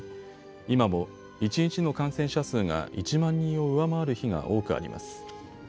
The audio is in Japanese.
今も一日の感染者数が１万人を上回る日が多くあります。